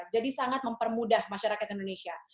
sangat mempermudah masyarakat indonesia